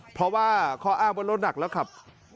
เพราะว่าข้ออ้างว่ารถหนักแล้วครับ